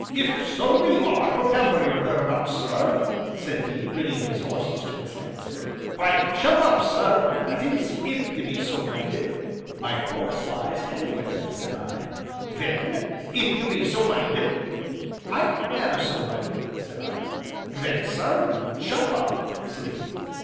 "If so be you are for Pembry, or thereabouts, sir," said he, bringing his horses to a standstill, "why, jump up, sir that is, if you be so minded." "My course lies anywhere," said I. "Then if you be so minded ?" "I am so minded," said I. "Then, sir, jump up," said he.